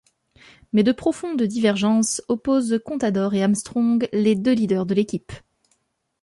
Mais de profondes divergences opposent Contador et Armstrong, les deux leaders de l'équipe.